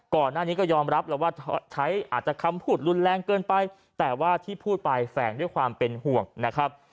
ก่อนหน้านี้ก็ยอมรับแล้วว่าใช้อาจจะคำพูดรุนแรงเกินไปแต่ว่าที่พูดไปแฝงด้วยความเป็นห่วงนะครับ